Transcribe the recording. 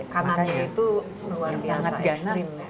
kanannya itu luar biasa